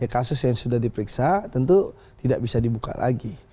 kasus yang sudah diperiksa tentu tidak bisa dibuka lagi